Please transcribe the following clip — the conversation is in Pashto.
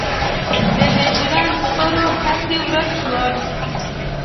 د هجران سپرو هسې ورک شول.